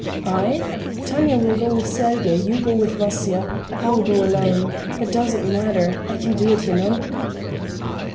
"I? Tanya will go with Sergey, you go with Vasya.... I will go alone. That doesn't matter, I can do it, you know."